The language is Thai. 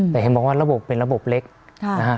แต่เห็นบอกว่าระบบเป็นระบบเล็กนะฮะ